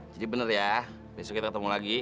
jadi bener ya besok kita ketemu lagi